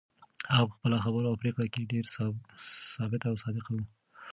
هغه په خپله خبره او پرېکړه کې ډېره ثابته او صادقه وه.